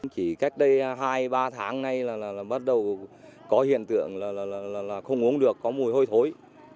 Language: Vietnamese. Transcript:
chỉ cách đây hai ba tháng nay là bắt đầu có hiện tượng là không uống được có mùi hôi thối